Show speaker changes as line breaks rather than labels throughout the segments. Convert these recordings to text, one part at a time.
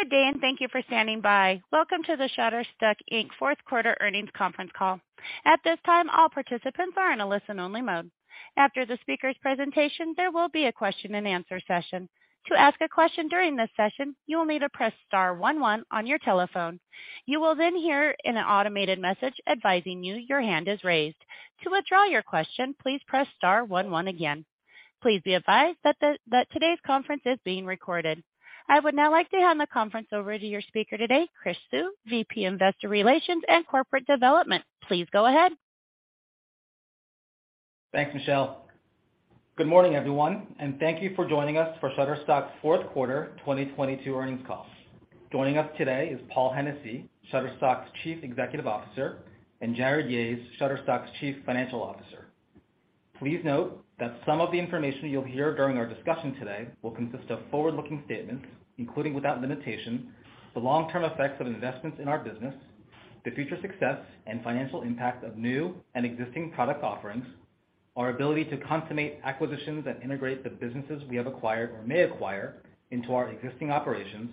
Good day. Thank you for standing by. Welcome to the Shutterstock, Inc fourth quarter earnings conference call. At this time, all participants are in a listen only mode. After the speaker's presentation, there will be a question and answer session. To ask a question during this session, you will need to press star one one on your telephone. You will hear an automated message advising you your hand is raised. To withdraw your question, please press star one one again. Please be advised that today's conference is being recorded. I would now like to hand the conference over to your speaker today, Chris Suh, VP, Investor Relations and Corporate Development. Please go ahead.
Thanks, Michelle. Good morning, everyone, thank you for joining us for Shutterstock's fourth quarter 2022 earnings call. Joining us today is Paul Hennessy, Shutterstock's Chief Executive Officer, and Jarrod Yahes, Shutterstock's Chief Financial Officer. Please note that some of the information you'll hear during our discussion today will consist of forward-looking statements, including without limitation, the long-term effects of investments in our business, the future success and financial impact of new and existing product offerings, our ability to consummate acquisitions and integrate the businesses we have acquired or may acquire into our existing operations,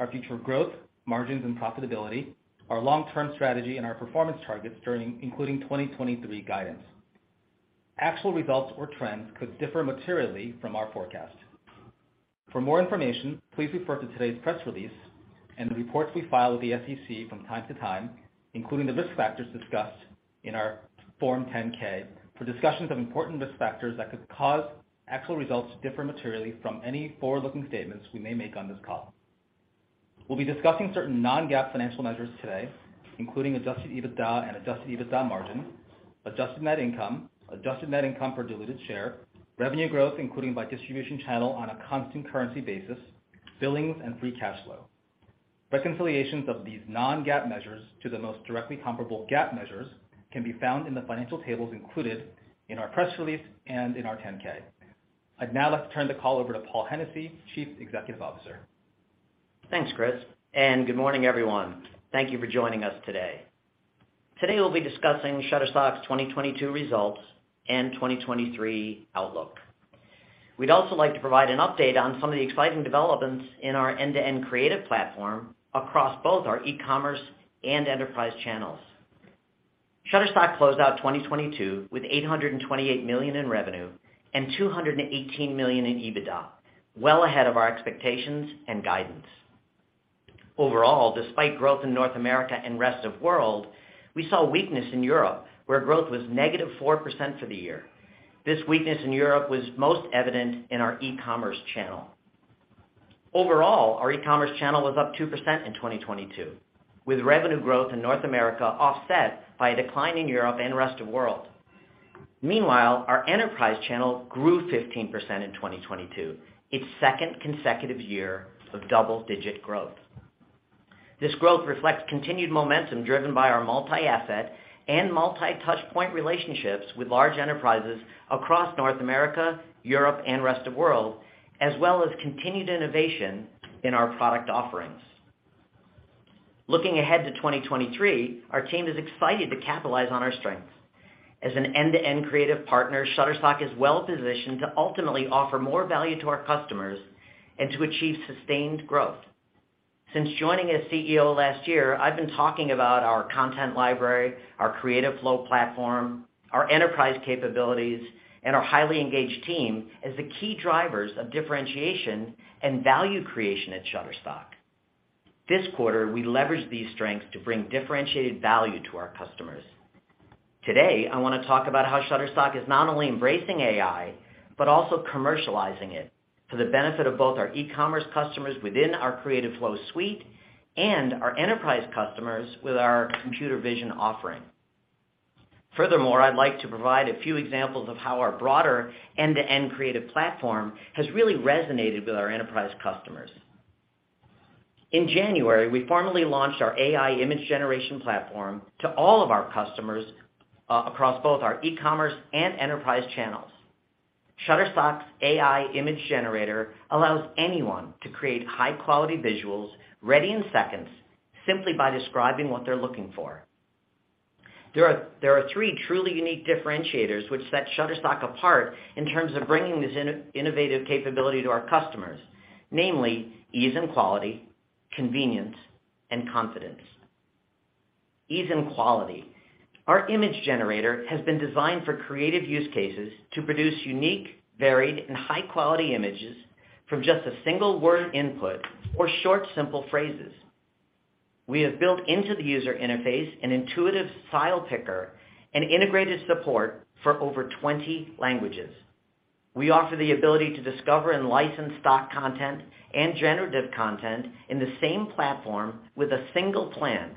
our future growth, margins and profitability, our long-term strategy and our performance targets including 2023 guidance. Actual results or trends could differ materially from our forecasts. For more information, please refer to today's press release and the reports we file with the SEC from time to time, including the risk factors discussed in our Form 10-K for discussions of important risk factors that could cause actual results to differ materially from any forward-looking statements we may make on this call. We'll be discussing certain non-GAAP financial measures today, including adjusted EBITDA and adjusted EBITDA margin, adjusted net income, adjusted net income per diluted share, revenue growth including by distribution channel on a constant currency basis, billings and free cash flow. Reconciliations of these non-GAAP measures to the most directly comparable GAAP measures can be found in the financial tables included in our press release and in our 10-K. I'd now like to turn the call over to Paul Hennessy, Chief Executive Officer.
Thanks, Chris, good morning everyone. Thank you for joining us today. Today we'll be discussing Shutterstock's 2022 results and 2023 outlook. We'd also like to provide an update on some of the exciting developments in our end-to-end creative platform across both our E-commerce and Enterprise channels. Shutterstock closed out 2022 with $828 million in revenue and $218 million in EBITDA, well ahead of our expectations and guidance. Overall, despite growth in North America and Rest of World, we saw weakness in Europe, where growth was negative 4% for the year. This weakness in Europe was most evident in our Ecommerce channel. Overall, our E-commerce channel was up 2% in 2022, with revenue growth in North America offset by a decline in Europe and Rest of World. Meanwhile, our Enterprise channel grew 15% in 2022, its second consecutive year of double-digit growth. This growth reflects continued momentum driven by our multi-asset and multi-touch point relationships with large Enterprises across North America, Europe and Rest of World, as well as continued innovation in our product offerings. Looking ahead to 2023, our team is excited to capitalize on our strengths. As an end-to-end creative partner, Shutterstock is well positioned to ultimately offer more value to our customers and to achieve sustained growth. Since joining as CEO last year, I've been talking about our content library, our Creative Flow platform, our Enterprise capabilities, and our highly engaged team as the key drivers of differentiation and value creation at Shutterstock. This quarter, we leveraged these strengths to bring differentiated value to our customers. Today, I wanna talk about how Shutterstock is not only embracing AI, but also commercializing it for the benefit of both our E-commerce customers within our Creative Flow suite and our Enterprise customers with our computer vision offering. Furthermore, I'd like to provide a few examples of how our broader end-to-end creative platform has really resonated with our Enterprise customers. In January, we formally launched our AI image generation platform to all of our customers across both our E-commerce and Enterprise channels. Shutterstock's AI Image Generator allows anyone to create high quality visuals ready in seconds simply by describing what they're looking for. There are three truly unique differentiators which set Shutterstock apart in terms of bringing this innovative capability to our customers, namely ease and quality, convenience, and confidence. Ease and quality. Our image generator has been designed for creative use cases to produce unique, varied and high quality images from just a single word input or short, simple phrases. We have built into the user interface an intuitive style picker and integrated support for over 20 languages. We offer the ability to discover and license stock content and generative content in the same platform with a single plan,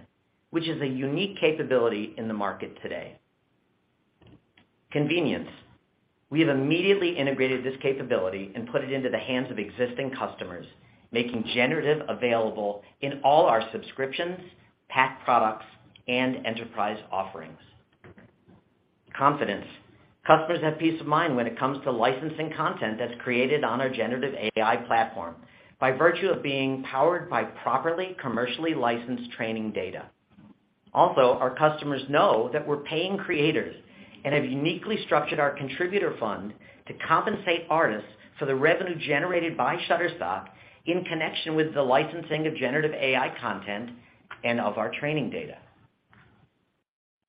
which is a unique capability in the market today. Convenience. We have immediately integrated this capability and put it into the hands of existing customers, making generative available in all our subscriptions, pack products, and Enterprise offerings. Confidence. Customers have peace of mind when it comes to licensing content that's created on our generative AI platform by virtue of being powered by properly commercially licensed training data. Our customers know that we're paying creators and have uniquely structured our Contributor Fund to compensate artists for the revenue generated by Shutterstock in connection with the licensing of generative AI content and of our training data.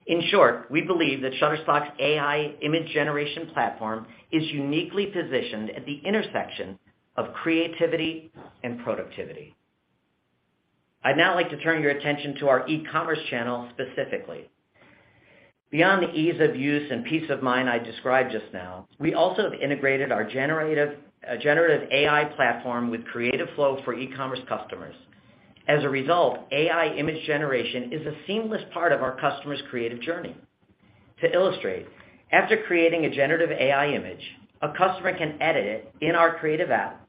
In short, we believe that Shutterstock's AI image generation platform is uniquely positioned at the intersection of creativity and productivity. I'd now like to turn your attention to our E-commerce channel specifically. Beyond the ease of use and peace of mind I described just now, we also have integrated our generative AI platform with Creative Flow for E-commerce customers. As a result, AI image generation is a seamless part of our customers' creative journey. To illustrate, after creating a generative AI image, a customer can edit it in our creative app,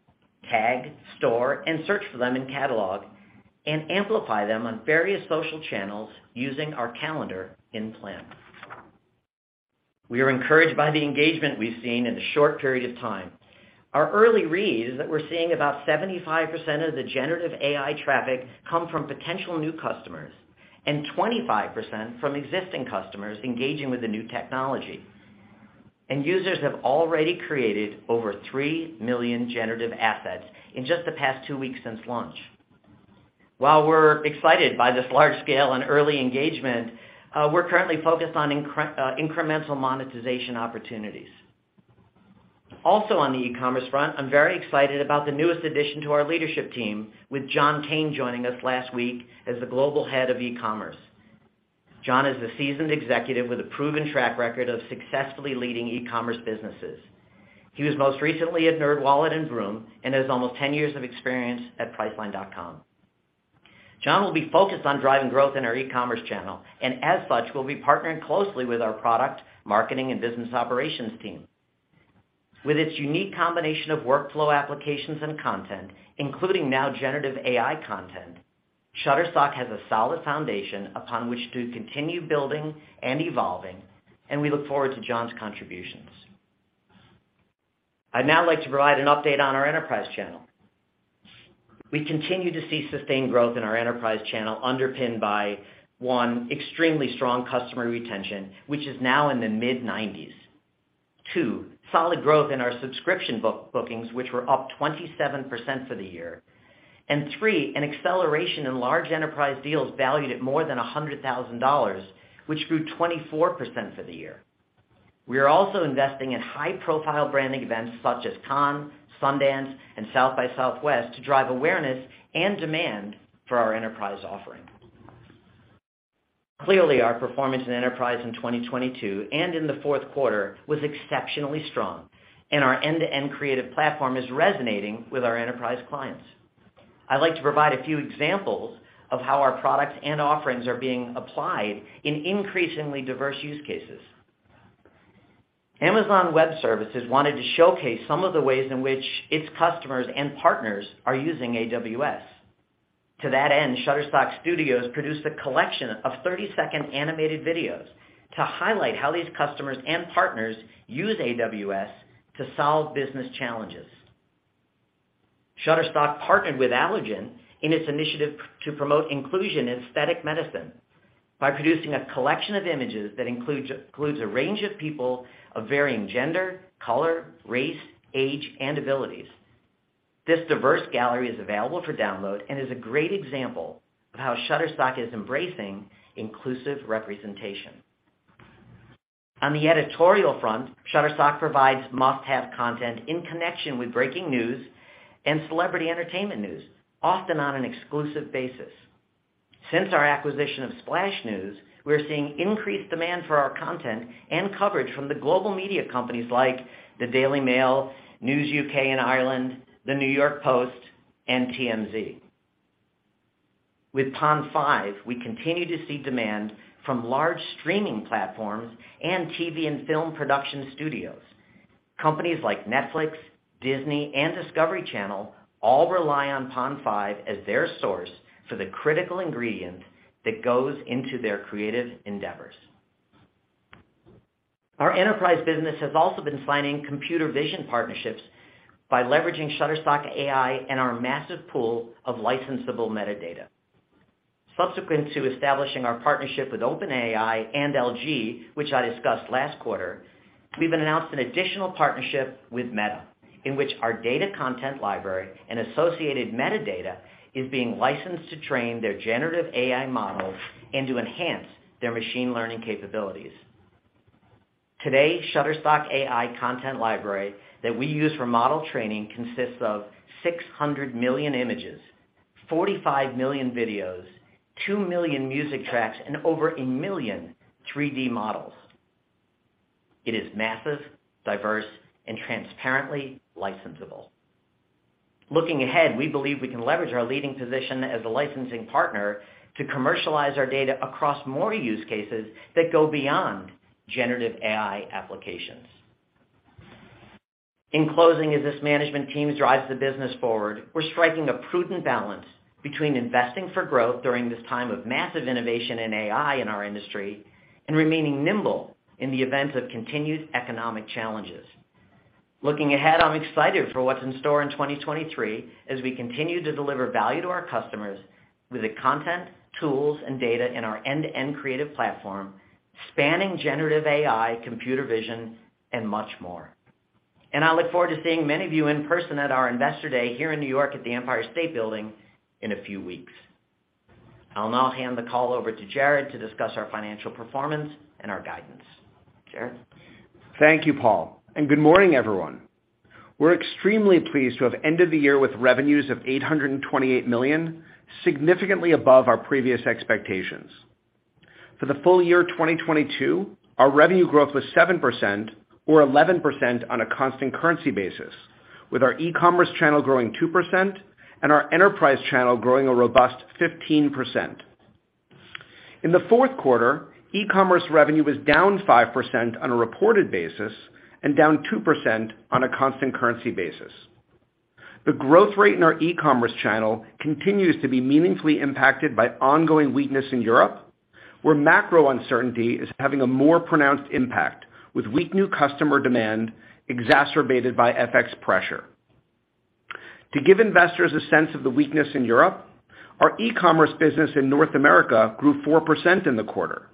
tag, store, and search for them in catalog and amplify them on various social channels using our calendar in plan. We are encouraged by the engagement we've seen in a short period of time. Our early read is that we're seeing about 75% of the generative AI traffic come from potential new customers and 25% from existing customers engaging with the new technology. Users have already created over three million generative assets in just the past two weeks since launch. While we're excited by this large scale and early engagement, we're currently focused on incremental monetization opportunities. Also on the E-commerce front, I'm very excited about the newest addition to our leadership team with John Caine joining us last week as the Global Head of E-commerce. John is a seasoned executive with a proven track record of successfully leading E-commerce businesses. He was most recently at NerdWallet and Vroom, and has almost 10 years of experience at Priceline.com. John will be focused on driving growth in our E-commerce channel and as such, will be partnering closely with our product, marketing, and business operations team. With its unique combination of workflow applications and content, including now generative AI content, Shutterstock has a solid foundation upon which to continue building and evolving, and we look forward to John's contributions. I'd now like to provide an update on our Enterprise channel. We continue to see sustained growth in our Enterprise channel underpinned by, one, extremely strong customer retention, which is now in the mid-90s. Two, solid growth in our subscription bookings, which were up 27% for the year. Three, an acceleration in large Enterprise deals valued at more than $100,000, which grew 24% for the year. We are also investing in high-profile branding events such as Cannes, Sundance, and South by Southwest to drive awareness and demand for our Enterprise offering. Clearly, our performance in Enterprise in 2022 and in the fourth quarter was exceptionally strong, and our end-to-end creative platform is resonating with our Enterprise clients. I'd like to provide a few examples of how our products and offerings are being applied in increasingly diverse use cases. Amazon Web Services wanted to showcase some of the ways in which its customers and partners are using AWS. To that end, Shutterstock Studios produced a collection of 30-second animated videos to highlight how these customers and partners use AWS to solve business challenges. Shutterstock partnered with Allergan in its initiative to promote inclusion in aesthetic medicine by producing a collection of images that includes a range of people of varying gender, color, race, age, and abilities. This diverse gallery is available for download and is a great example of how Shutterstock is embracing inclusive representation. On the Editorial front, Shutterstock provides must-have content in connection with breaking news and celebrity entertainment news, often on an exclusive basis. Since our acquisition of Splash News, we're seeing increased demand for our content and coverage from the global media companies like the Daily Mail, News UK and Ireland, the New York Post, and TMZ. With Pond5, we continue to see demand from large streaming platforms and TV and film production studios. Companies like Netflix, Disney, and Discovery Channel all rely on Pond5 as their source for the critical ingredient that goes into their creative endeavors. Our Enterprise business has also been signing computer vision partnerships by leveraging Shutterstock.AI and our massive pool of licensable metadata. Subsequent to establishing our partnership with OpenAI and LG, which I discussed last quarter, we've announced an additional partnership with Meta, in which our data content library and associated metadata is being licensed to train their generative AI models and to enhance their machine learning capabilities. Today, Shutterstock.AI content library that we use for model training consists of 600 million images, 45 million videos, two million music tracks, and over a million 3D models. It is massive, diverse, and transparently licensable. Looking ahead, we believe we can leverage our leading position as a licensing partner to commercialize our data across more use cases that go beyond generative AI applications. In closing, as this management team drives the business forward, we're striking a prudent balance between investing for growth during this time of massive innovation in AI in our industry and remaining nimble in the event of continued economic challenges. Looking ahead, I'm excited for what's in store in 2023 as we continue to deliver value to our customers with the content, tools, and data in our end-to-end creative platform, spanning generative AI, computer vision, and much more. I look forward to seeing many of you in person at our investor day here in New York at the Empire State Building in a few weeks. I'll now hand the call over to Jarrod to discuss our financial performance and our guidance. Jarrod?
Thank you, Paul, and good morning, everyone. We're extremely pleased to have ended the year with revenues of $828 million, significantly above our previous expectations. For the full year 2022, our revenue growth was 7% or 11% on a constant currency basis, with our E-commerce channel growing 2% and our Enterprise channel growing a robust 15%. In Q4, E-commerce revenue was down 5% on a reported basis and down 2% on a constant currency basis. The growth rate in our E-commerce channel continues to be meaningfully impacted by ongoing weakness in Europe, where macro uncertainty is having a more pronounced impact, with weak new customer demand exacerbated by FX pressure. To give investors a sense of the weakness in Europe, our E-commerce business in North America grew 4% in the quarter.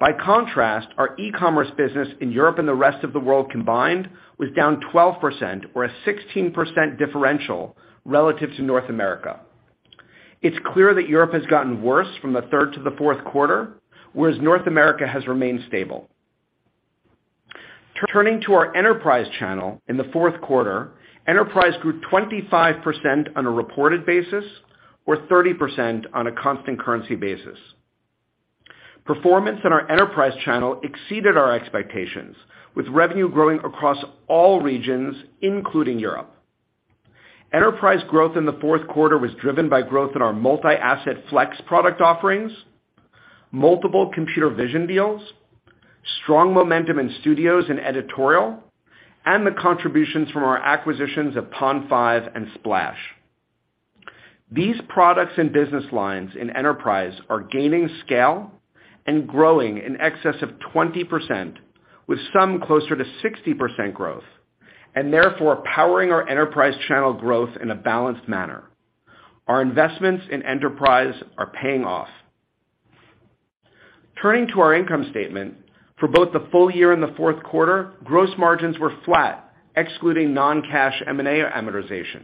By contrast, our E-commerce business in Europe and the Rest of World combined was down 12% or a 16% differential relative to North America. It's clear that Europe has gotten worse from the third to the fourth quarter, whereas North America has remained stable. Turning to our Enterprise channel, in the fourth quarter, Enterprise grew 25% on a reported basis or 30% on a constant currency basis. Performance in our Enterprise channel exceeded our expectations, with revenue growing across all regions, including Europe. Enterprise growth in the fourth quarter was driven by growth in our multi-asset Flex product offerings, multiple computer vision deals, strong momentum in Studios and Editorial, and the contributions from our acquisitions of Pond5 and Splash. These products and business lines in Enterprise are gaining scale and growing in excess of 20%, with some closer to 60% growth, therefore powering our Enterprise channel growth in a balanced manner. Our investments in Enterprise are paying off. Turning to our income statement, for both the full year and the Q4, gross margins were flat, excluding non-cash M&A amortization.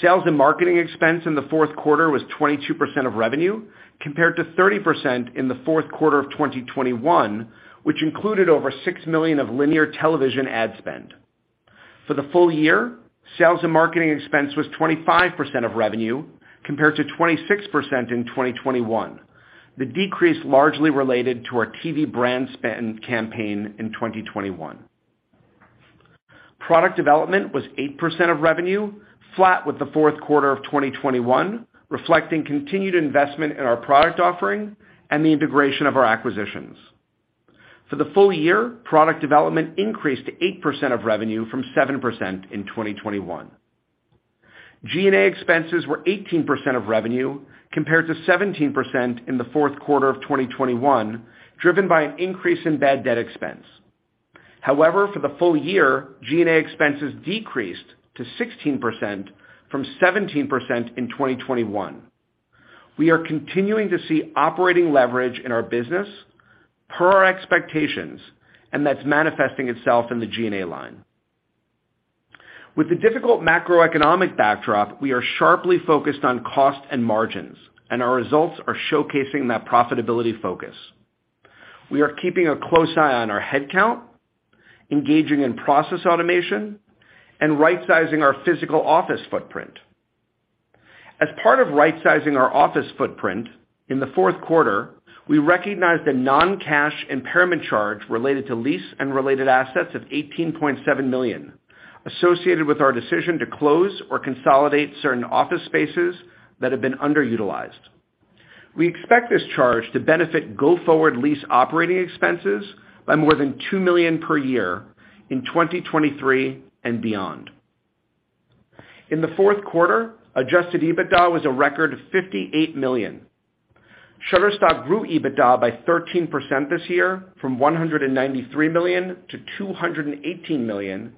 Sales and marketing expense in the Q4 was 22% of revenue, compared to 30% in the Q4 of 2021, which included over $6 million of linear television ad spend. For the full year, sales and marketing expense was 25% of revenue, compared to 26% in 2021. The decrease largely related to our TV brand spend campaign in 2021. Product development was 8% of revenue, flat with the fourth quarter of 2021, reflecting continued investment in our product offering and the integration of our acquisitions. For the full year, product development increased to 8% of revenue from 7% in 2021. G&A expenses were 18% of revenue, compared to 17% in the fourth quarter of 2021, driven by an increase in bad debt expense. For the full year, G&A expenses decreased to 16% from 17% in 2021. We are continuing to see operating leverage in our business per our expectations, and that's manifesting itself in the G&A line. With the difficult macroeconomic backdrop, we are sharply focused on cost and margins, and our results are showcasing that profitability focus. We are keeping a close eye on our headcount, engaging in process automation, and rightsizing our physical office footprint. As part of rightsizing our office footprint, in the fourth quarter, we recognized a non-cash impairment charge related to lease and related assets of $18.7 million associated with our decision to close or consolidate certain office spaces that have been underutilized. We expect this charge to benefit go-forward lease operating expenses by more than $2 million per year in 2023 and beyond. In the fourth quarter, adjusted EBITDA was a record of $58 million. Shutterstock grew EBITDA by 13% this year from $193 million to $218 million,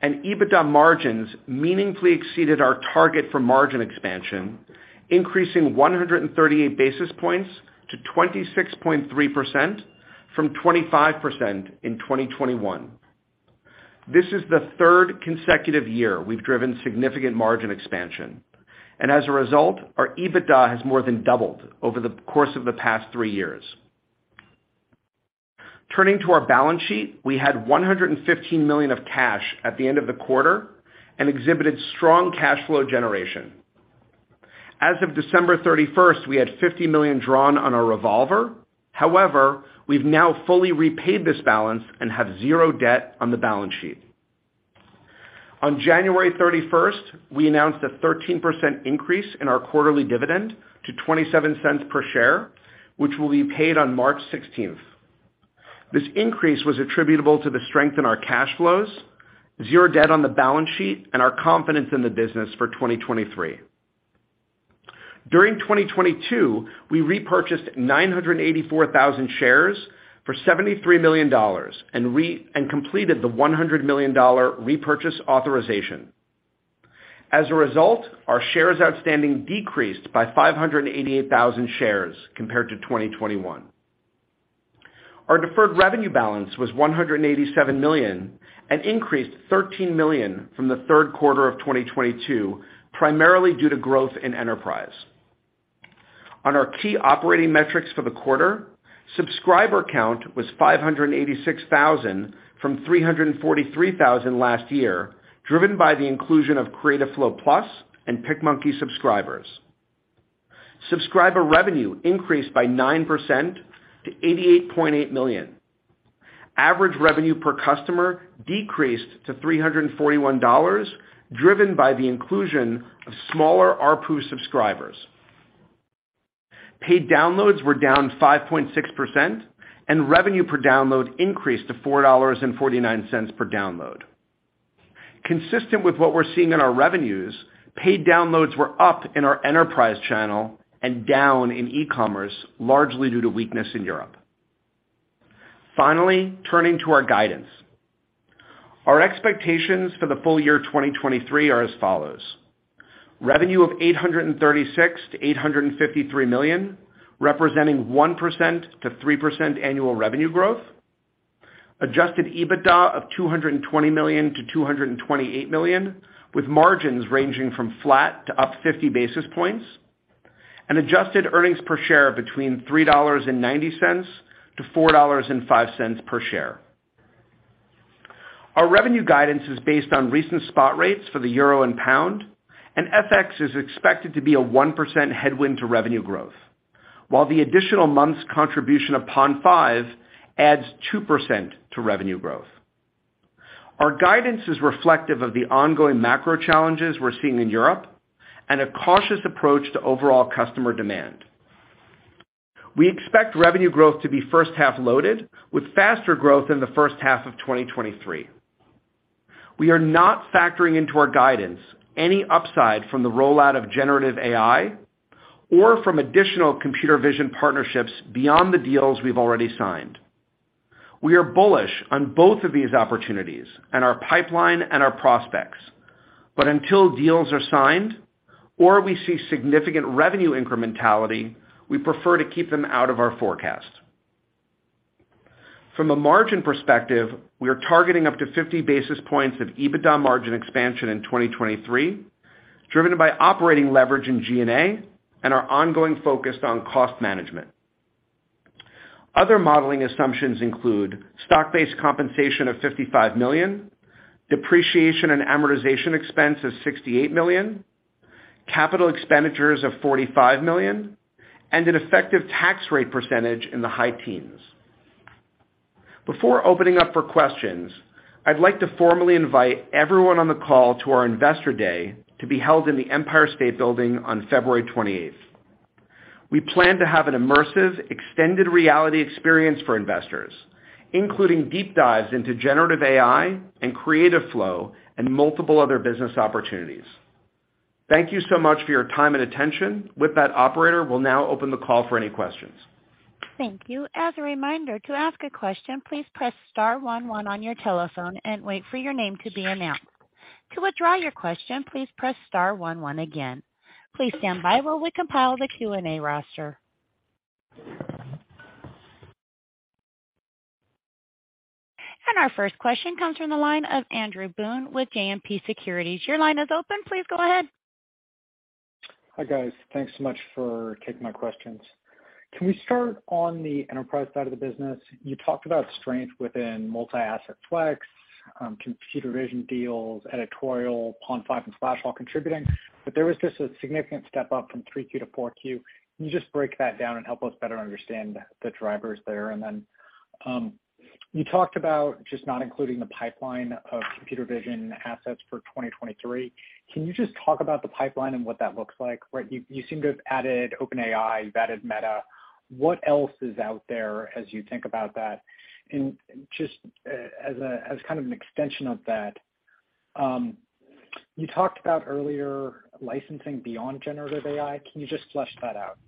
and EBITDA margins meaningfully exceeded our target for margin expansion, increasing 138 basis points to 26.3% from 25% in 2021. This is the 3rd consecutive year we've driven significant margin expansion, and as a result, our EBITDA has more than doubled over the course of the past three years. Turning to our balance sheet, we had $115 million of cash at the end of the quarter and exhibited strong cash flow generation. As of December 31st, we had $50 million drawn on our revolver. However, we've now fully repaid this balance and have 0 debt on the balance sheet. On January 31st, we announced a 13% increase in our quarterly dividend to $0.27 per share, which will be paid on March 16th. This increase was attributable to the strength in our cash flows, zero debt on the balance sheet, and our confidence in the business for 2023. During 2022, we repurchased 984,000 shares for $73 million and completed the $100 million repurchase authorization. As a result, our shares outstanding decreased by 588,000 shares compared to 2021. Our deferred revenue balance was $187 million and increased $13 million from the third quarter of 2022, primarily due to growth in Enterprise. On our key operating metrics for the quarter, subscriber count was 586,000 from 343,000 last year, driven by the inclusion of Creative Flow+ and PicMonkey subscribers. Subscriber revenue increased by 9% to $88.8 million. Average revenue per customer decreased to $341, driven by the inclusion of smaller ARPU subscribers. Paid downloads were down 5.6%, and revenue per download increased to $4.49 per download. Consistent with what we're seeing in our revenues, paid downloads were up in our Enterprise channel and down in e-commerce, largely due to weakness in Europe. Turning to our guidance. Our expectations for the full year 2023 are as follows: revenue of $836 million-$853 million, representing 1%-3% annual revenue growth. Adjusted EBITDA of $220 million-$228 million, with margins ranging from flat to up 50 basis points. Adjusted earnings per share between $3.90-$4.05 per share. Our revenue guidance is based on recent spot rates for the euro and pound, FX is expected to be a 1% headwind to revenue growth, while the additional month's contribution of Pond5 adds 2% to revenue growth. Our guidance is reflective of the ongoing macro challenges we're seeing in Europe and a cautious approach to overall customer demand. We expect revenue growth to be first half loaded, with faster growth in the first half of 2023. We are not factoring into our guidance any upside from the rollout of generative AI or from additional computer vision partnerships beyond the deals we've already signed. We are bullish on both of these opportunities and our pipeline and our prospects. Until deals are signed or we see significant revenue incrementality, we prefer to keep them out of our forecast. From a margin perspective, we are targeting up to 50 basis points of EBITDA margin expansion in 2023, driven by operating leverage in G&A and our ongoing focus on cost management. Other modeling assumptions include stock-based compensation of $55 million, depreciation and amortization expense of $68 million, capital expenditures of $45 million, and an effective tax rate percentage in the high teens. Before opening up for questions, I'd like to formally invite everyone on the call to our Investor Day to be held in the Empire State Building on February 28th. We plan to have an immersive extended reality experience for investors, including deep dives into generative AI and Creative Flow and multiple other business opportunities. Thank you so much for your time and attention. Operator, we'll now open the call for any questions.
Thank you. As a reminder, to ask a question, please press star one one on your telephone and wait for your name to be announced. To withdraw your question, please press star one one again. Please stand by while we compile the Q&A roster. Our first question comes from the line of Andrew Boone with JMP Securities. Your line is open. Please go ahead.
Hi, guys. Thanks so much for taking my questions. Can we start on the Enterprise side of the business? You talked about strength within multi-asset Flex, computer vision deals, Editorial, Pond5, and Splash contributing. There was just a significant step-up from 3Q to 4Q. Can you just break that down and help us better understand the drivers there? You talked about just not including the pipeline of computer vision assets for 2023. Can you just talk about the pipeline and what that looks like? Right? You seem to have added OpenAI, you've added Meta. What else is out there as you think about that? As kind of an extension of that, you talked about earlier licensing beyond generative AI. Can you just flesh that out?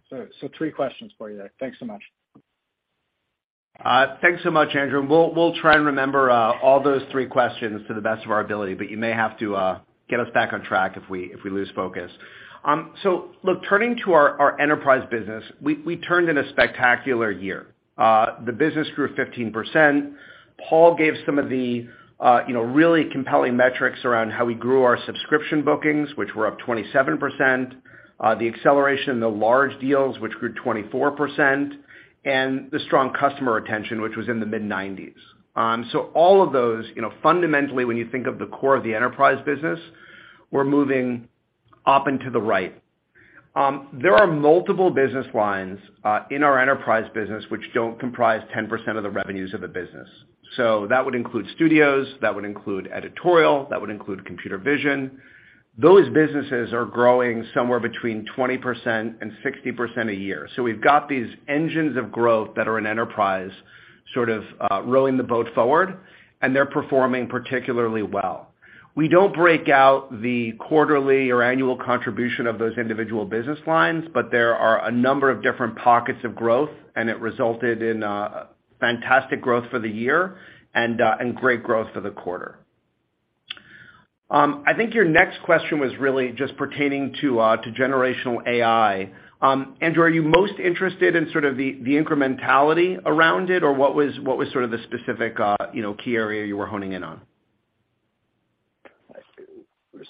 Three questions for you there. Thanks so much.
Thanks so much, Andrew, and we'll try and remember all those three questions to the best of our ability, but you may have to get us back on track if we, if we lose focus. Look, turning to our Enterprise business, we turned in a spectacular year. The business grew 15%. Paul gave some of the, you know, really compelling metrics around how we grew our subscription bookings, which were up 27%, the acceleration in the large deals, which grew 24%, and the strong customer retention, which was in the mid-90s. All of those, you know, fundamentally, when you think of the core of the Enterprise business, we're moving up and to the right. There are multiple business lines in our Enterprise business, which don't comprise 10% of the revenues of the business. That would include Studios, that would include Editorial, that would include computer vision. Those businesses are growing somewhere between 20% and 60% a year. We've got these engines of growth that are in Enterprise sort of rowing the boat forward, and they're performing particularly well. We don't break out the quarterly or annual contribution of those individual business lines, but there are a number of different pockets of growth, and it resulted in fantastic growth for the year and great growth for the quarter. I think your next question was really just pertaining to generative AI. Andrew, are you most interested in sort of the incrementality around it? What was sort of the specific, you know, key area you were honing in on?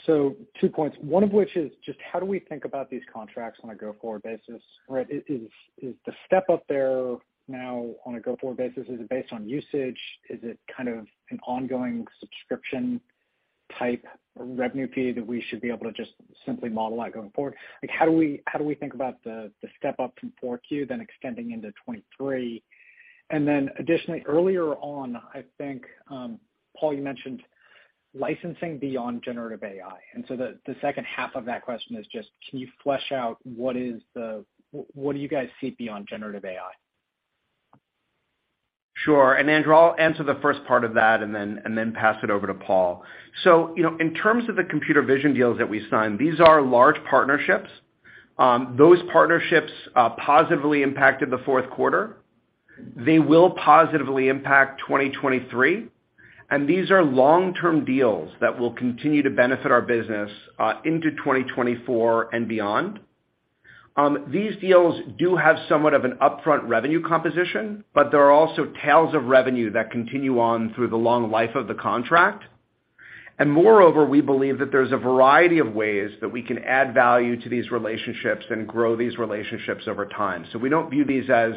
Two points, one of which is just how do we think about these contracts on a go-forward basis, right? Is the step-up there now on a go-forward basis, is it based on usage? Is it kind of an ongoing subscription-type revenue fee that we should be able to just simply model out going forward? Like, how do we think about the step-up from 4Q then extending into 2023? Additionally, earlier on, I think, Paul, you mentioned licensing beyond generative AI. The, the second half of that question is just can you flesh out what is the what do you guys see beyond generative AI?
Sure. Andrew, I'll answer the first part of that and then pass it over to Paul. you know, in terms of the computer vision deals that we signed, these are large partnerships. Those partnerships positively impacted the fourth quarter. They will positively impact 2023, and these are long-term deals that will continue to benefit our business into 2024 and beyond. These deals do have somewhat of an upfront revenue composition, but there are also tails of revenue that continue on through the long life of the contract. Moreover, we believe that there's a variety of ways that we can add value to these relationships and grow these relationships over time. We don't view these as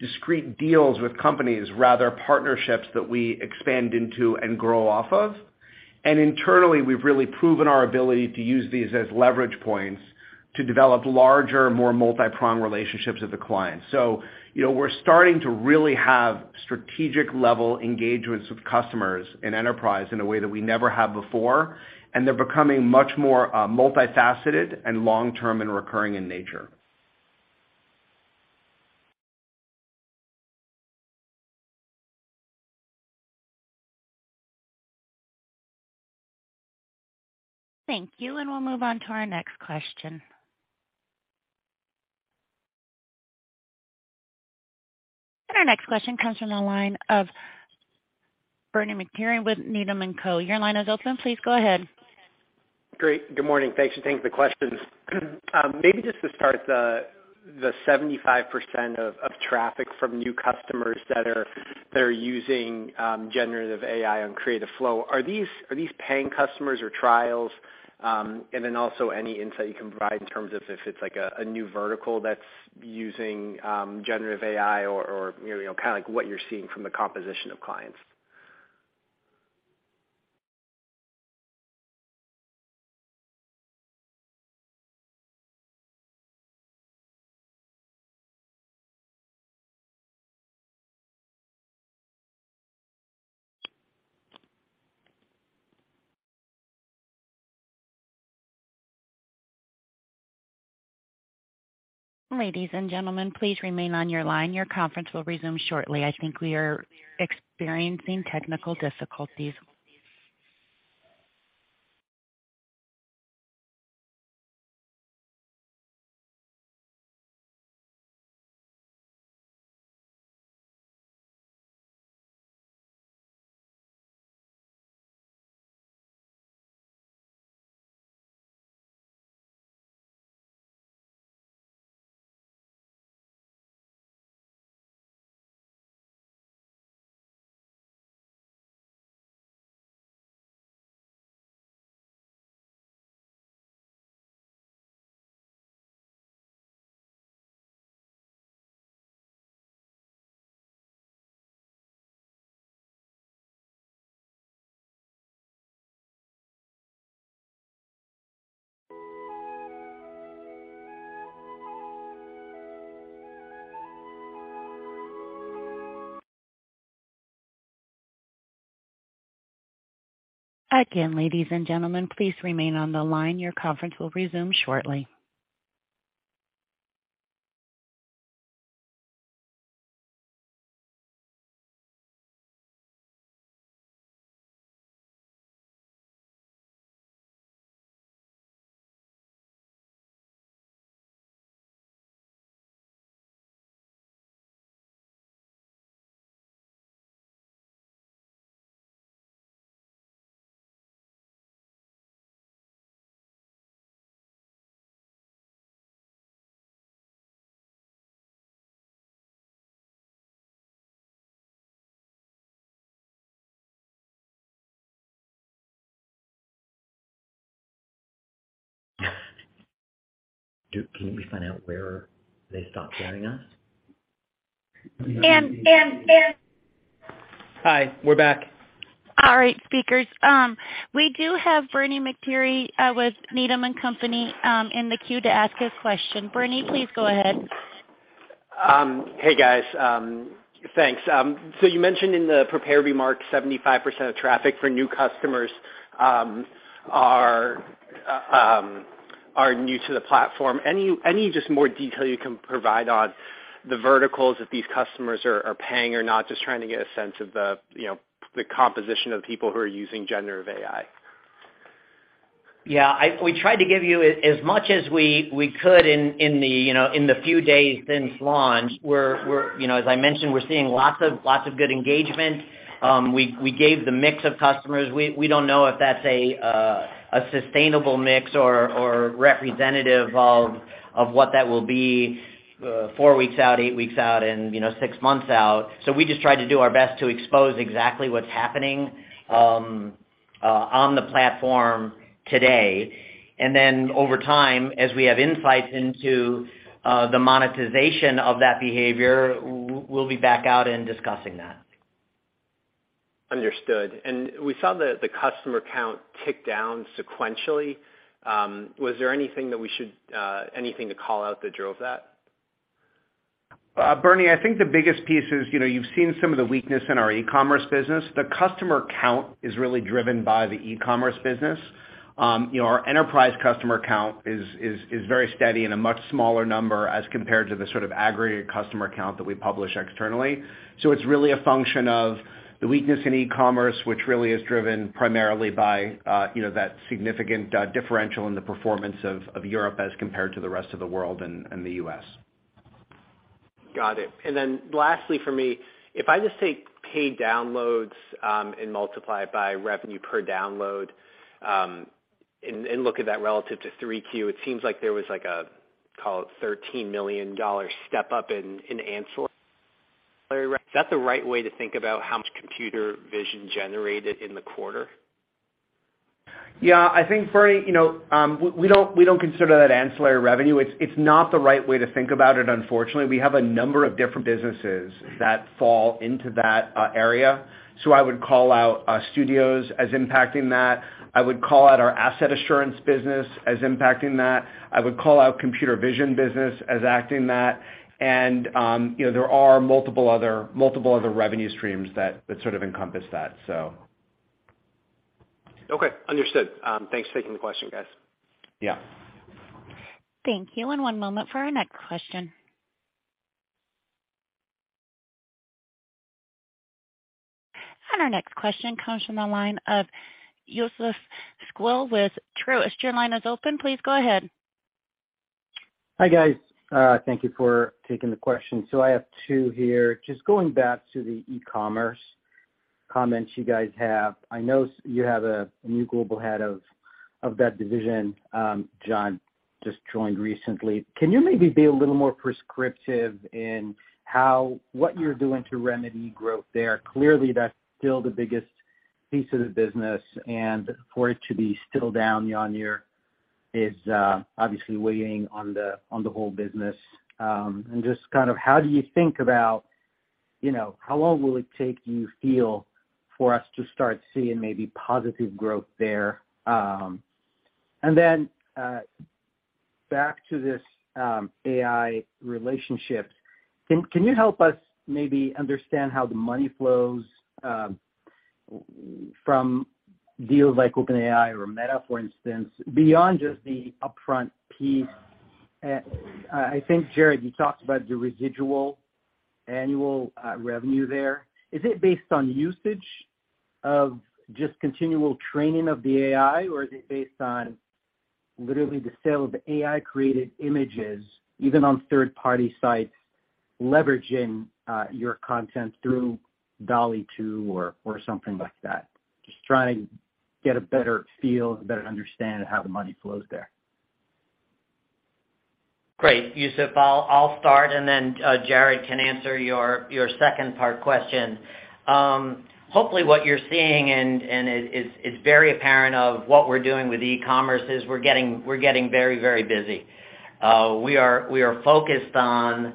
discrete deals with companies, rather partnerships that we expand into and grow off of. Internally, we've really proven our ability to use these as leverage points to develop larger, more multipronged relationships with the clients. You know, we're starting to really have strategic-level engagements with customers and Enterprise in a way that we never have before, and they're becoming much more multifaceted and long-term and recurring in nature.
Thank you. We'll move on to our next question. Our next question comes from the line of Bernie McTernan with Needham & Company. Your line is open. Please go ahead.
Great. Good morning. Thanks, and thanks for the questions. Maybe just to start, the 75% of traffic from new customers that are using generative AI on Creative Flow, are these paying customers or trials? Then also any insight you can provide in terms of if it's like a new vertical that's using generative AI or, you know, kinda like what you're seeing from the composition of clients.
Ladies and gentlemen, please remain on your line. Your conference will resume shortly. I think we are experiencing technical difficulties. Again, ladies and gentlemen, please remain on the line. Your conference will resume shortly.
Can we find out where they stopped hearing us?
And, and, and-
Hi. We're back.
All right, speakers. We do have Bernie McTernan, with Needham & Company, in the queue to ask a question. Bernie, please go ahead.
Hey, guys. Thanks. You mentioned in the prepared remarks 75% of traffic for new customers are new to the platform. Any just more detail you can provide on the verticals that these customers are paying or not? Just trying to get a sense of the, you know, the composition of people who are using generative AI.
Yeah, we tried to give you as much as we could in the, you know, in the few days since launch. We're, you know, as I mentioned, we're seeing lots of good engagement. We gave the mix of customers. We don't know if that's a sustainable mix or representative of what that will be four weeks out, eight weeks out and, you know, six months out. We just tried to do our best to expose exactly what's happening on the platform today. Over time, as we have insights into the monetization of that behavior, we'll be back out and discussing that.
Understood. We saw the customer count tick down sequentially. Was there anything to call out that drove that?
Bernie, I think the biggest piece is, you know, you've seen some of the weakness in our E-commerce business. The customer count is really driven by the E-commerce business. you know, our Enterprise customer count is very steady in a much smaller number as compared to the sort of aggregated customer count that we publish externally. It's really a function of the weakness in e-commerce, which really is driven primarily by, you know, that significant differential in the performance of Europe as compared to the Rest of World and the U.S.
Got it. Then lastly for me, if I just take paid downloads, and multiply it by revenue per download, and look at that relative to 3Q, it seems there was a call it $13 million step up in ancillary. Is that the right way to think about how much computer vision generated in the quarter?
Yeah, I think, Bernie, you know, we don't consider that ancillary revenue. It's not the right way to think about it unfortunately. We have a number of different businesses that fall into that area. I would call out Studios as impacting that. I would call out our Asset Assurance business as impacting that. I would call out computer vision business as acting that. You know, there are multiple other revenue streams that sort of encompass that, so.
Understood. Thanks for taking the question, guys.
Yeah.
Thank you. One moment for our next question. Our next question comes from the line of Youssef Squali with Truist. Your line is open. Please go ahead.
Hi, guys. Thank you for taking the question. I have two here. Just going back to the E-commerce comments you guys have. I know you have a new global head of that division, John just joined recently. Can you maybe be a little more prescriptive in what you're doing to remedy growth there? Clearly, that's still the biggest piece of the business, and for it to be still down year-on-year is obviously weighing on the whole business. Just kind of how do you think about, you know, how long will it take, you feel, for us to start seeing maybe positive growth there? Back to this AI relationship, can you help us maybe understand how the money flows from deals like OpenAI or Meta, for instance, beyond just the upfront piece? I think, Jarrod, you talked about the residual annual revenue there. Is it based on usage of just continual training of the AI, or is it based on literally the sale of AI-created images, even on third-party sites leveraging your content through DALL-E 2 or something like that? Just trying to get a better feel, a better understand of how the money flows there.
Great. Youssef, I'll start, and then Jarrod can answer your second part question. Hopefully, what you're seeing and it is, it's very apparent of what we're doing with E-commerce is we're getting very busy. We are focused on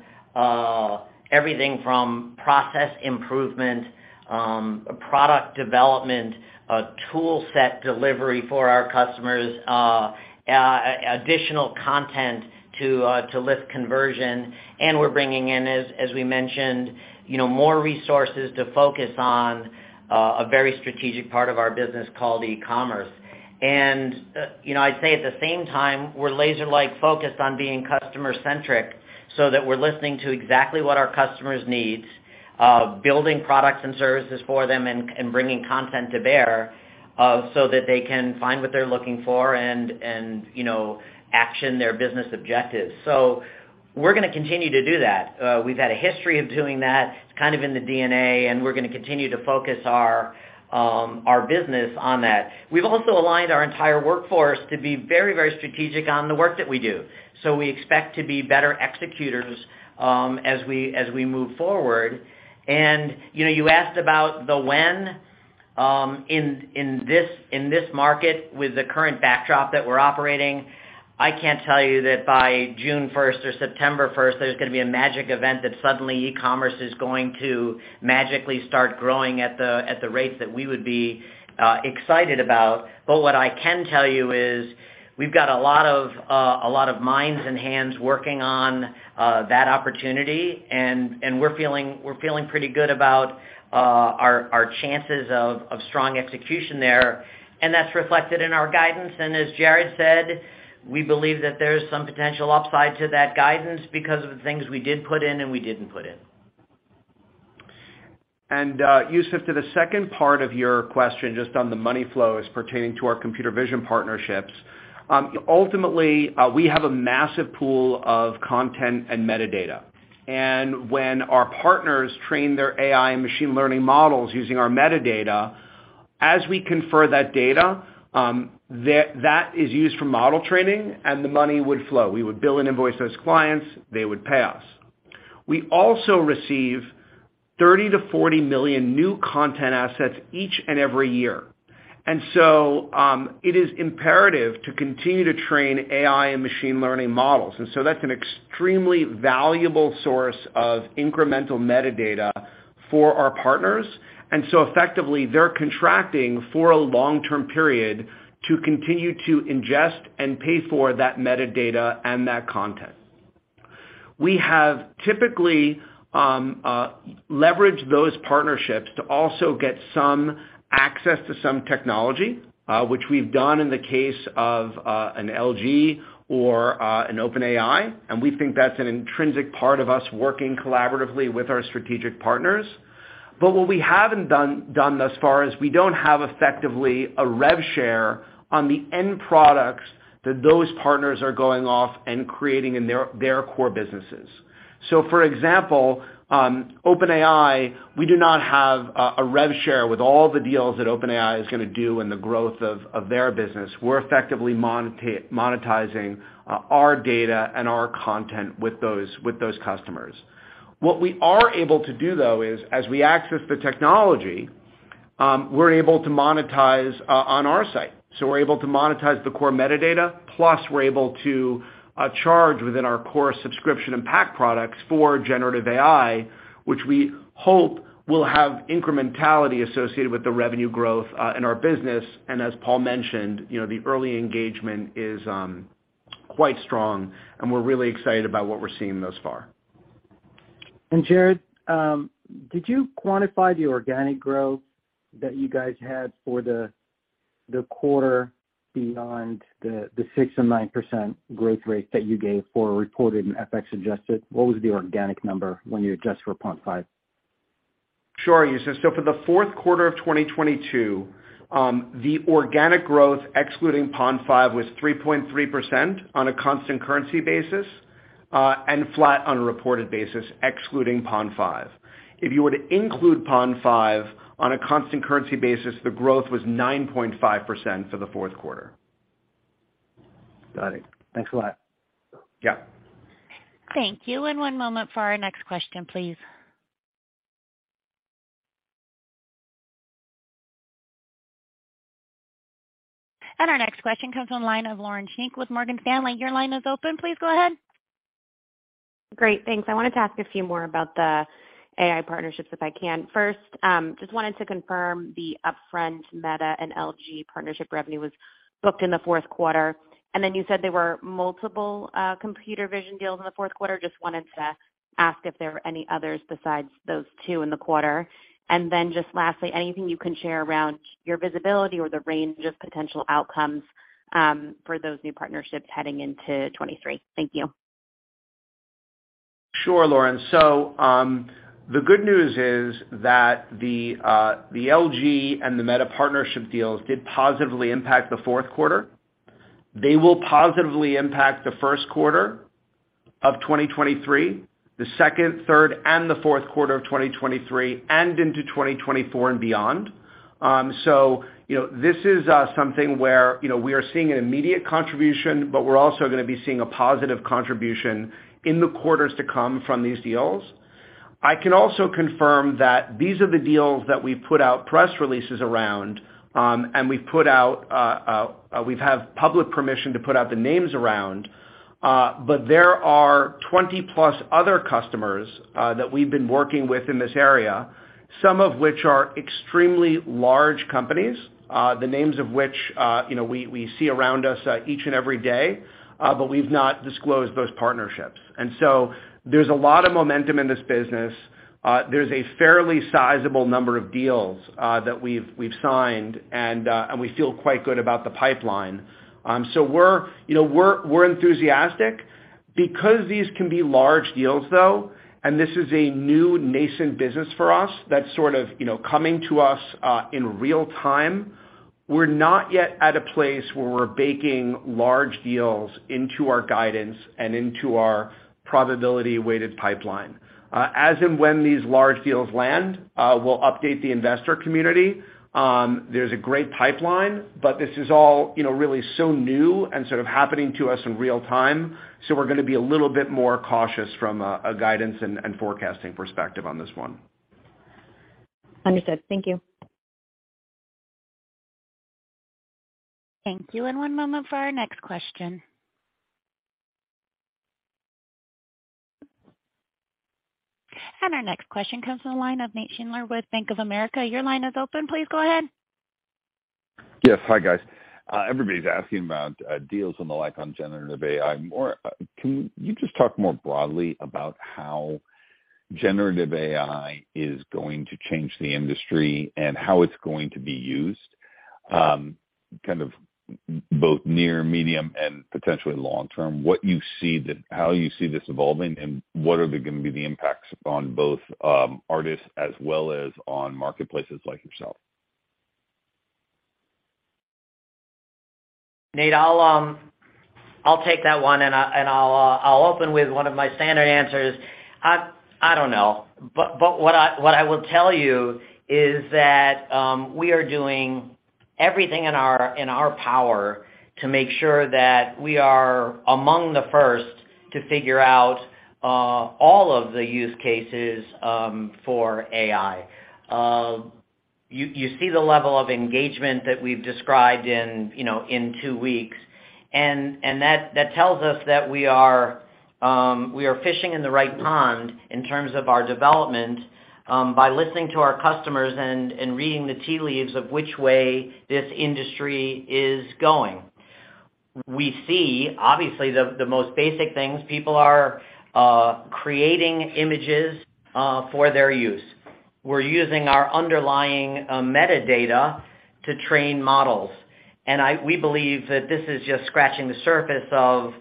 everything from process improvement, product development, toolset delivery for our customers, additional content to lift conversion. We're bringing in, as we mentioned, you know, more resources to focus on a very strategic part of our business called e-commerce. you know, I'd say at the same time, we're laser-like focused on being customer-centric so that we're listening to exactly what our customers need, building products and services for them and bringing content to bear, so that they can find what they're looking for and, you know, action their business objectives. We're gonna continue to do that. We've had a history of doing that. It's kind of in the DNA, and we're gonna continue to focus our business on that. We've also aligned our entire workforce to be very, very strategic on the work that we do. We expect to be better executors as we move forward. you know, you asked about the when. In this market with the current backdrop that we're operating, I can't tell you that by June first or September first, there's gonna be a magic event that suddenly E-commerce is going to magically start growing at the rates that we would be excited about. What I can tell you is we've got a lot of minds and hands working on that opportunity, and we're feeling pretty good about our chances of strong execution there, and that's reflected in our guidance. As Jarrod said, we believe that there's some potential upside to that guidance because of the things we did put in and we didn't put in.
Youssef, to the second part of your question, just on the money flow as pertaining to our computer vision partnerships. Ultimately, we have a massive pool of content and metadata. When our partners train their AI and machine learning models using our metadata, as we confer that data, that is used for model training and the money would flow. We would bill and invoice those clients, they would pay us. We also receive 30 million-40 million new content assets each and every year. It is imperative to continue to train AI and machine learning models. That's an extremely valuable source of incremental metadata for our partners. Effectively, they're contracting for a long-term period to continue to ingest and pay for that metadata and that content. We have typically leveraged those partnerships to also get some access to some technology, which we've done in the case of an LG or an OpenAI. We think that's an intrinsic part of us working collaboratively with our strategic partners. What we haven't done thus far is we don't have effectively a rev share on the end products that those partners are going off and creating in their core businesses. For example, OpenAI, we do not have a rev share with all the deals that OpenAI is gonna do and the growth of their business. We're effectively monetizing our data and our content with those customers. What we are able to do though is, as we access the technology, we're able to monetize on our site. We're able to monetize the core metadata, plus we're able to charge within our core subscription and pack products for generative AI, which we hope will have incrementality associated with the revenue growth in our business. As Paul mentioned, you know, the early engagement is quite strong, and we're really excited about what we're seeing thus far.
Jarrod, did you quantify the organic growth that you guys had for the quarter beyond the 6% and 9% growth rate that you gave for reported and FX adjusted? What was the organic number when you adjust for Pond5?
Sure, Youssef. For the fourth quarter of 2022, the organic growth excluding Pond5 was 3.3% on a constant currency basis, and flat on a reported basis excluding Pond5. If you were to include Pond5 on a constant currency basis, the growth was 9.5% for the fourth quarter.
Got it. Thanks a lot.
Yeah.
Thank you. One moment for our next question, please. Our next question comes from the line of Lauren Schenk with Morgan Stanley. Your line is open. Please go ahead.
Great. Thanks. I wanted to ask a few more about the AI partnerships, if I can. First, just wanted to confirm the upfront Meta and LG partnership revenue was booked in the fourth quarter. Then you said there were multiple computer vision deals in the fourth quarter. Just wanted to ask if there were any others besides those two in the quarter. Then just lastly, anything you can share around your visibility or the range of potential outcomes for those new partnerships heading into 2023. Thank you.
Sure, Lauren. The good news is that the LG and the Meta partnership deals did positively impact the fourth quarter. They will positively impact the first quarter of 2023, the second, third, and the fourth quarter of 2023 and into 2024 and beyond. You know, this is something where, you know, we are seeing an immediate contribution, but we're also gonna be seeing a positive contribution in the quarters to come from these deals. I can also confirm that these are the deals that we've put out press releases around, and we've put out, we've had public permission to put out the names around, but there are 20+ other customers that we've been working with in this area, some of which are extremely large companies, the names of which, you know, we see around us each and every day, but we've not disclosed those partnerships. There's a lot of momentum in this business. There's a fairly sizable number of deals that we've signed and we feel quite good about the pipeline. We're, you know, we're enthusiastic. Because these can be large deals, though, and this is a new nascent business for us that's sort of, you know, coming to us, in real time, we're not yet at a place where we're baking large deals into our guidance and into our probability weighted pipeline. As and when these large deals land, we'll update the investor community. There's a great pipeline, but this is all, you know, really so new and sort of happening to us in real time, so we're gonna be a little bit more cautious from a guidance and forecasting perspective on this one.
Understood. Thank you.
Thank you. One moment for our next question. Our next question comes from the line of Nat Schindler with Bank of America. Your line is open. Please go ahead.
Yes. Hi, guys. Everybody's asking about deals and the like on generative AI more. Can you just talk more broadly about how generative AI is going to change the industry and how it's going to be used? Kind of both near medium and potentially long term, how you see this evolving, and what are they gonna be the impacts on both, artists as well as on marketplaces like yourself?
Nat, I'll take that one, and I'll open with one of my standard answers. I don't know. What I will tell you is that we are doing everything in our power to make sure that we are among the first to figure out all of the use cases for AI. You see the level of engagement that we've described in, you know, in two weeks. That tells us that we are fishing in the right pond in terms of our development by listening to our customers and reading the tea leaves of which way this industry is going. We see obviously the most basic things. People are creating images for their use. We're using our underlying metadata to train models. We believe that this is just scratching the surface of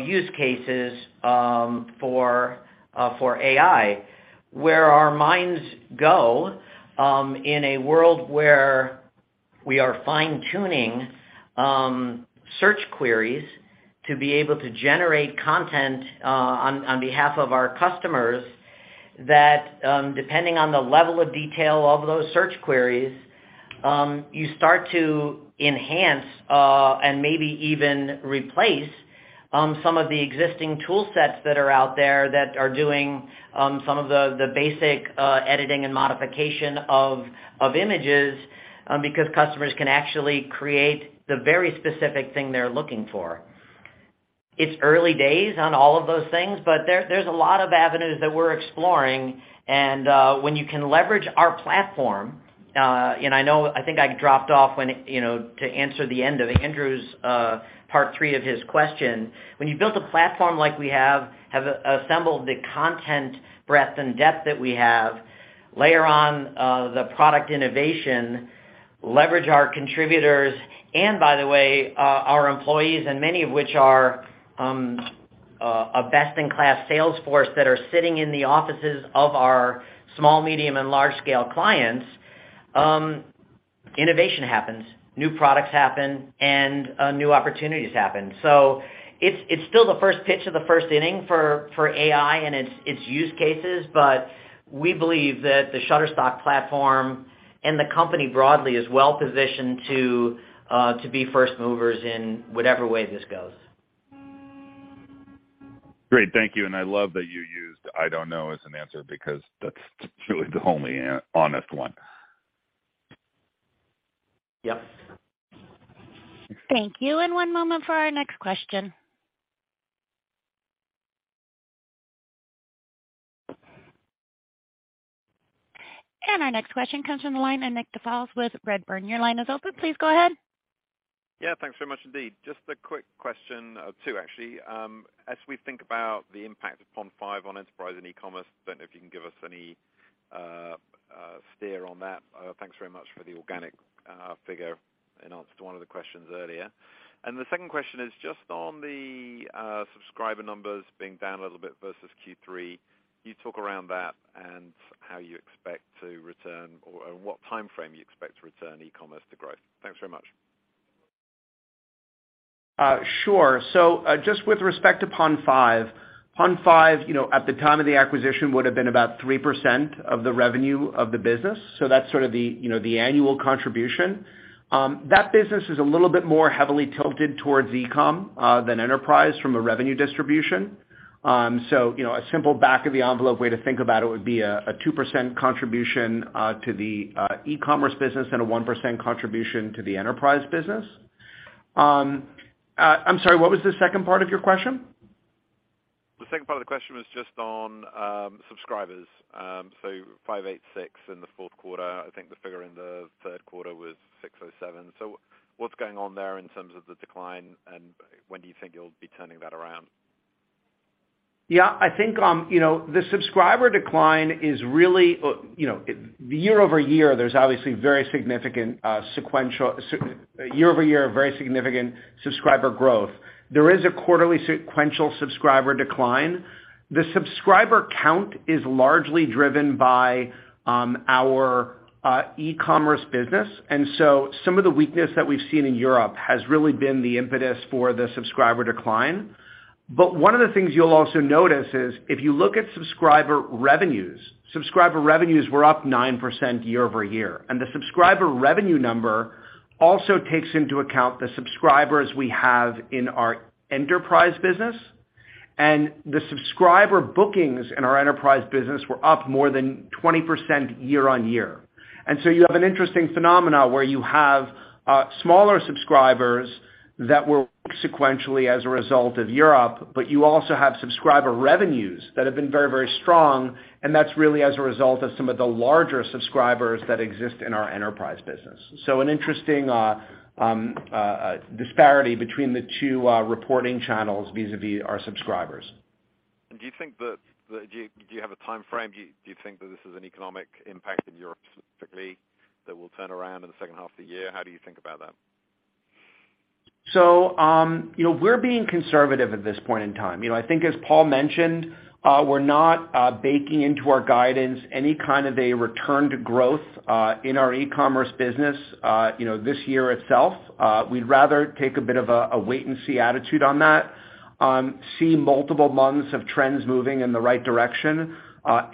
use cases for AI. Where our minds go in a world where we are fine-tuning search queries to be able to generate content on behalf of our customers that, depending on the level of detail of those search queries, you start to enhance and maybe even replace some of the existing tool sets that are out there that are doing some of the basic editing and modification of images because customers can actually create the very specific thing they're looking for. It's early days on all of those things, but there's a lot of avenues that we're exploring. When you can leverage our platform, I know I think I dropped off when, you know, to answer the end of Andrew's part three of his question. When you built a platform like we have, assembled the content breadth and depth that we have, layer on the product innovation, leverage our contributors, and by the way, our employees and many of which are a best-in-class sales force that are sitting in the offices of our small, medium, and large scale clients, innovation happens, new products happen, new opportunities happen. It's still the first pitch of the first inning for AI and its use cases. We believe that the Shutterstock platform and the company broadly is well positioned to be first movers in whatever way this goes.
Great. Thank you. I love that you used, "I don't know," as an answer because that's truly the only honest one.
Yep.
Thank you. One moment for our next question. Our next question comes from the line of Nick Delfas with Redburn. Your line is open. Please go ahead.
Yeah, thanks very much indeed. Just a quick question or two actually. As we think about the impact of Pond5 on Enterprise and e-commerce, don't know if you can give us any steer on that. Thanks very much for the organic figure in answer to one of the questions earlier. The second question is just on the subscriber numbers being down a little bit versus Q3. You talk around that and how you expect to return or what timeframe you expect to return E-commerce to growth. Thanks very much.
Sure. Just with respect to Pond5. Pond5, you know, at the time of the acquisition, would've been about 3% of the revenue of the business. That's sort of the, you know, the annual contribution. That business is a little bit more heavily tilted towards e-com than Enterprise from a revenue distribution. You know, a simple back of the envelope way to think about it would be a 2% contribution to the E-commerce business and a 1% contribution to the Enterprise business. I'm sorry, what was the second part of your question?
The second part of the question was just on, subscribers. 586 in the fourth quarter. I think the figure in the third quarter was 607. What's going on there in terms of the decline, and when do you think you'll be turning that around?
Yeah, I think, you know, the subscriber decline is really, you know, year-over-year, there's obviously very significant year-over-year, very significant subscriber growth. There is a quarterly sequential subscriber decline. The subscriber count is largely driven by our E-commerce business, some of the weakness that we've seen in Europe has really been the impetus for the subscriber decline. One of the things you'll also notice is if you look at subscriber revenues, subscriber revenues were up 9% year-over-year. The subscriber revenue number also takes into account the subscribers we have in our Enterprise business. The subscriber bookings in our Enterprise business were up more than 20% year-on-year. You have an interesting phenomena where you have smaller subscribers that were sequentially as a result of Europe, but you also have subscriber revenues that have been very strong, and that's really as a result of some of the larger subscribers that exist in our Enterprise business. An interesting disparity between the two reporting channels vis-à-vis our subscribers.
Do you think that Do you have a timeframe? Do you think that this is an economic impact in Europe specifically that will turn around in the second half of the year? How do you think about that?
You know, we're being conservative at this point in time. You know, I think as Paul mentioned, we're not baking into our guidance any kind of a return to growth in our E-commerce business, you know, this year itself. We'd rather take a bit of a wait and see attitude on that, see multiple months of trends moving in the right direction,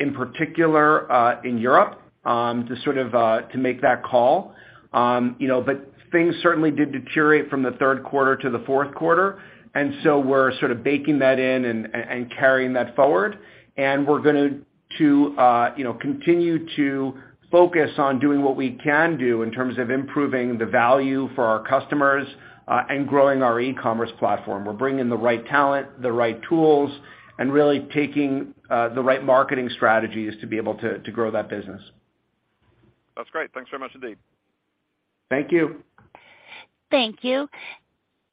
in particular in Europe, to sort of make that call. Things certainly did deteriorate from the third quarter to the fourth quarter, we're sort of baking that in and carrying that forward. We're gonna to, you know, continue to focus on doing what we can do in terms of improving the value for our customers and growing our E-commerce platform. We're bringing the right talent, the right tools, and really taking the right marketing strategies to be able to grow that business.
That's great. Thanks very much indeed.
Thank you.
Thank you.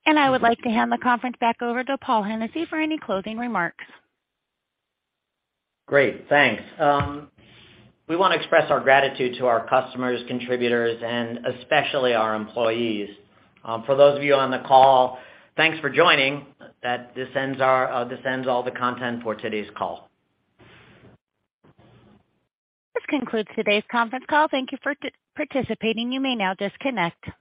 I would like to hand the conference back over to Paul Hennessy for any closing remarks.
Great. Thanks. We wanna express our gratitude to our customers, contributors, and especially our employees. For those of you on the call, thanks for joining. This ends all the content for today's call.
This concludes today's conference call. Thank you for participating. You may now disconnect.